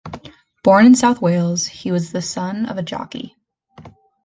Born in south Wales, he was the son of a jockey.